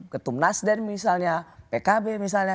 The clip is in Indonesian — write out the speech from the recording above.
ketum nasdem misalnya pkb misalnya